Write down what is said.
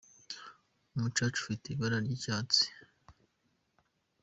Umucaca ufite ibara ry’icyatsi.